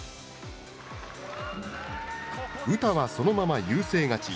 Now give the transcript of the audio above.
詩はそのまま優勢勝ち。